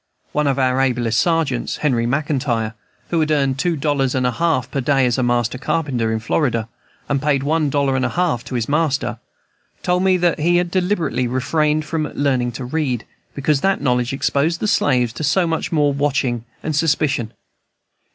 One of our ablest sergeants, Henry Mclntyre, who had earned two dollars and a half per day as a master carpenter in Florida, and paid one dollar and a half to his master, told me that he had deliberately refrained from learning to read, because that knowledge exposed the slaves to so much more watching and suspicion.